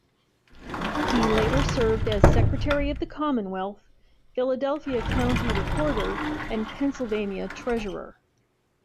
He later served as Secretary of the Commonwealth, Philadelphia County Recorder, and Pennsylvania Treasurer.